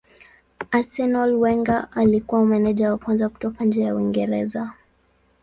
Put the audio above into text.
Arsenal Wenger alikuwa meneja wa kwanza kutoka nje ya Uingereza.